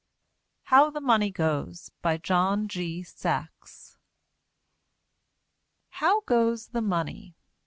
HOW THE MONEY GOES BY JOHN G. SAXE How goes the Money?